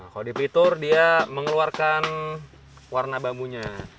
kalau dipelitur dia mengeluarkan warna bambunya